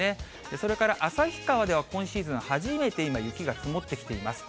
それから旭川では今シーズン初めて雪が積もってきています。